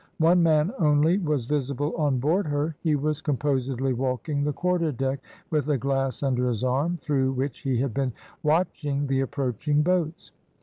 One man only was visible on board her, he was composedly walking the quarterdeck with a glass under his arm, through which he had been watching the approaching boats.